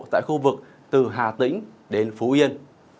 tại khu vực từ hà tĩnh đến phú yên